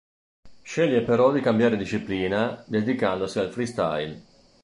Sceglie però di cambiare disciplina dedicandosi al freestyle.